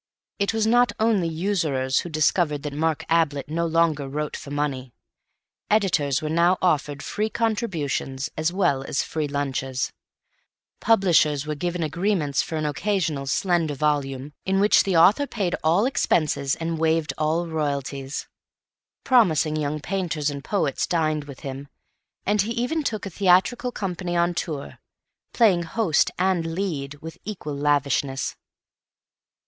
It was not only usurers who discovered that Mark Ablett no longer wrote for money; editors were now offered free contributions as well as free lunches; publishers were given agreements for an occasional slender volume, in which the author paid all expenses and waived all royalties; promising young painters and poets dined with him; and he even took a theatrical company on tour, playing host and "lead" with equal lavishness.